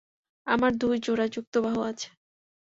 আমার দুই জোড়াযুক্ত বাহু আছে।